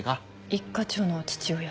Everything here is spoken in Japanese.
一課長の父親。